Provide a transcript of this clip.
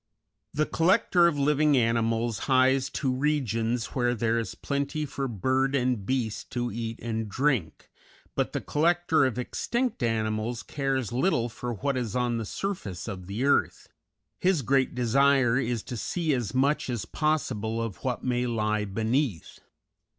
The collector of living animals hies to regions where there is plenty for bird and beast to eat and drink, but the collector of extinct animals cares little for what is on the surface of the earth; his great desire is to see as much as possible of what may lie beneath.